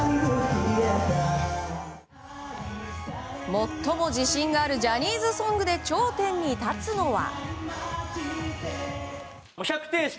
最も自信があるジャニーズソングで頂点に立つのは？